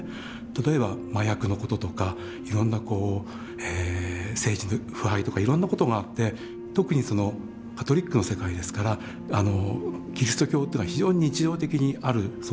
例えば麻薬のこととかいろんなこう政治の腐敗とかいろんなことがあって特にカトリックの世界ですからキリスト教というのは非常に日常的にある存在なわけですね。